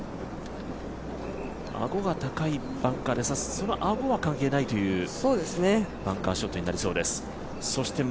あごが高いバンカーですが、そのあごは関係ないというバンカーショットになりそうです。